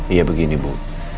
iya begini bu